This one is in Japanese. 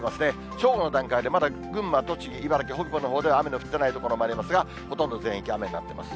正午の段階でまだ群馬、栃木、茨城、北部のほうでは雨の降ってない所もありますが、ほとんど全域、雨になってます。